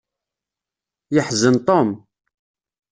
Yeḥzen Tom.